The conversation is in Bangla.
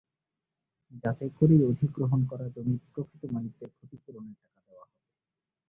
যাচাই করেই অধিগ্রহণ করা জমির প্রকৃত মালিকদের ক্ষতিপূরণের টাকা দেওয়া হবে।